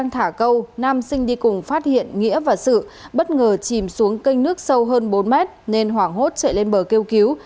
thả câu nam sinh đi cùng phát hiện nghĩa và sử bất ngờ chìm xuống cây nước sâu hơn bốn m nên hoảng hốt chạy lên bờ kêu cứu